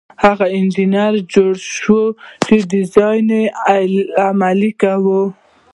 هغوی د انجینر جوړ شوی ډیزاین عملي کوي.